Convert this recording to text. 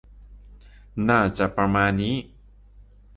น่าจะประมาณนี้